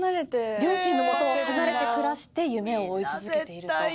両親のもとを離れて暮らして夢を追い続けていると。